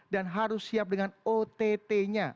dan harus siap dengan ott nya